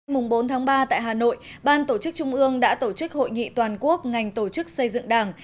mùng bốn tháng ba tại hà nội ban tổ chức trung ương đã tổ chức hội nghị toàn quốc ngành tổ chức xây dựng đảng